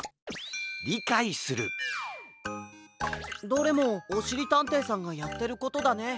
どれもおしりたんていさんがやってることだね。